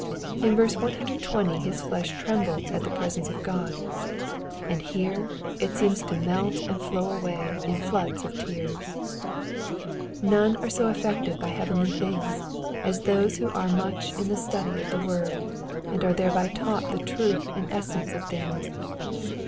In verse 120 his flesh trembled at the presence of God, and here it seems to melt and flow away in floods of tears None are so affected by heavenly things as those who are much in the study of the word, and are thereby taught the truth and essence of things.